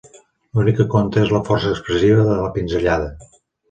L'únic que compta és la força expressiva de la pinzellada.